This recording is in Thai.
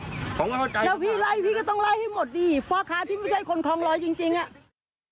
ผมก็เข้าใจแล้วพี่ไล่พี่ก็ต้องไล่ให้หมดดิพ่อค้าที่ไม่ใช่คนคลองร้อยจริงจริงอ่ะ